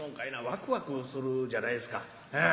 ワクワクするじゃないですか。